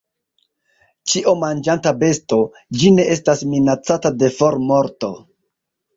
Ĉiomanĝanta besto, ĝi ne estas minacata de formorto.